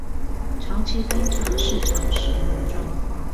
長期觀察市場使用的狀況